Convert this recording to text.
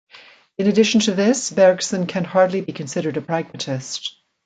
In addition to this, Bergson can hardly be considered a pragmatist.